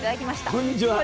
こんにちは。